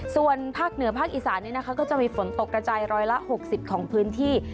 ส่วนภาคเหนือภาคอีสานก็จะมีฝนตกกระจายร้อยละ๖๐ของพื้นที่